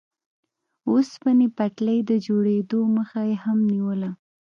اوسپنې پټلۍ د جوړېدو مخه یې هم نیوله.